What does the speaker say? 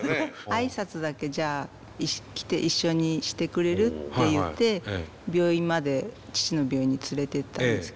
挨拶だけじゃあ来て一緒にしてくれる？って言って病院まで父の病院に連れていったんですけど。